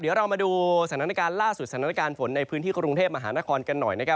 เดี๋ยวเรามาดูสถานการณ์ล่าสุดสถานการณ์ฝนในพื้นที่กรุงเทพมหานครกันหน่อยนะครับ